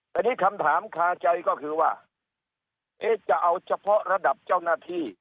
แต่นี่คำถามคาใจก็คือว่าเอ๊ะจะเอาเฉพาะระดับเจ้าหน้าที่